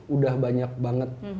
udah banyak banget